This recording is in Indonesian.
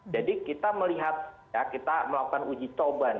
jadi kita melihat kita melakukan uji coba